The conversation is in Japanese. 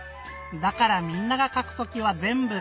だからみんながかくときはぜんぶ